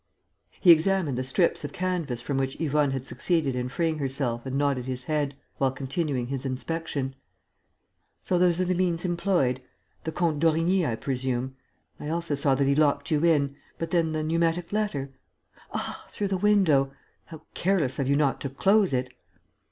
He examined the strips of canvas from which Yvonne had succeeded in freeing herself and nodded his head, while continuing his inspection: "So those are the means employed? The Comte d'Origny, I presume?... I also saw that he locked you in.... But then the pneumatic letter?... Ah, through the window!... How careless of you not to close it!"